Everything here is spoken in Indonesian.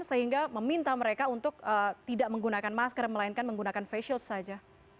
sehingga meminta mereka untuk tidak menggunakan masker melainkan menggunakan face shield saja